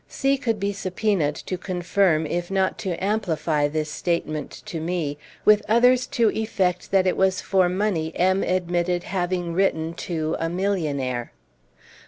C. could be subpoenaed to confirm if not to amplify this statement to me, with others to effect that it was for money M. admitted having written to "a millionaire."